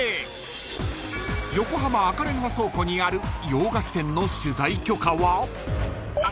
［横浜赤レンガ倉庫にある洋菓子店の取材許可は？］